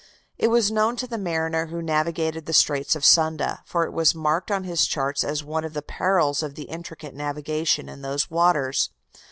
It was known to the mariner who navigated the Straits of Sunda, for it was marked on his charts as one of the perils of the intricate navigation in those waters.